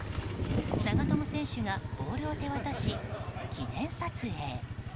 長友選手がボールを手渡し記念撮影。